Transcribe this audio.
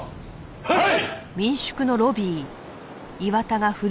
はい！